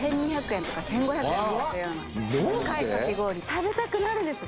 食べたくなるんですよ。